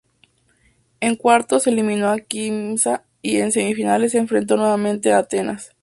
En cuartos eliminó a Quimsa y en semifinales se enfrentó nuevamente a Atenas.